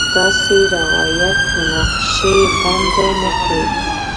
داسې روایت مناقشې بنده نه کړي.